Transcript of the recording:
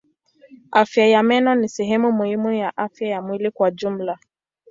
Afya ya meno ni sehemu muhimu ya afya ya mwili kwa jumla.